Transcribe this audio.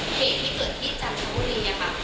เหตุผลที่เกิดที่จากโรงพยาบาล